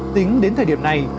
tính đến thời điểm này